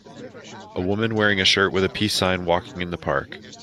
A woman wearing a shirt with a peace sign walking in the park.